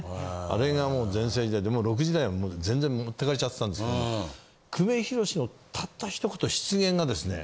あれがもう全盛時代でもう６時台も全然持っていかれちゃってたんですけど久米宏のたった一言失言がですね